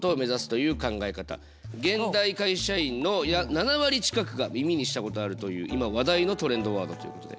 現代会社員の７割近くが耳にしたことあるという今話題のトレンドワードということで。